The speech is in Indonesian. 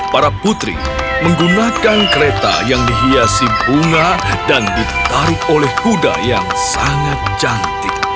para putri menggunakan kereta yang dihiasi bunga dan ditaruh oleh kuda yang sangat cantik